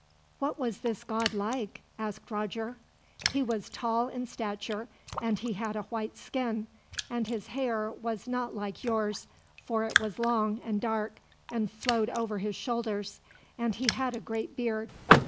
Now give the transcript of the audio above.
"What was this god like?" asked Roger. "He was tall in stature, and he had a white skin; and his hair was not like yours, for it was long and dark, and flowed over his shoulders, and he had a great beard.